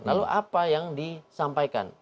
lalu apa yang disampaikan